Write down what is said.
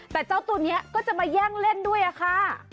แต่เจ้าตัวนี้ก็จะมาแย่งเล่นด้วยค่ะ